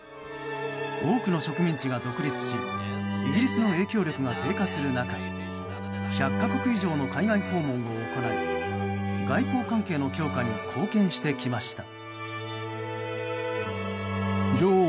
多くの植民地が独立しイギリスの影響力が低下する中１００か国以上の海外訪問を行い外交関係の強化に貢献してきました。